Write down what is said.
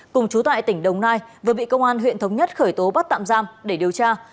cùng chú tại tỉnh đồng nai vừa bị công an huyện thống nhất khởi tố bắt tạm giam để điều tra